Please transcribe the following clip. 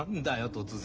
突然。